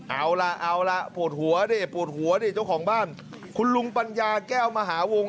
เอาล่ะเอาล่ะปวดหัวดิปวดหัวดิเจ้าของบ้านคุณลุงปัญญาแก้วมหาวง